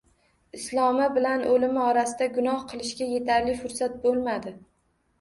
Islomi bilan o‘limi orasida gunoh qilishga yetarli fursat bo‘lmadi